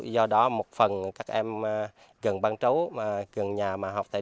do đó một phần các em gần bán chú gần nhà học tập